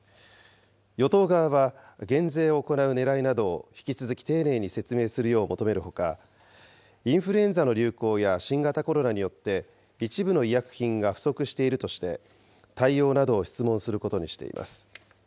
与党側は減税を行うねらいなどを引き続き丁寧に説明するよう求めるほか、インフルエンザの流行や新型コロナによって一部の医薬品が不足しているとして、対応などを質問することにしています。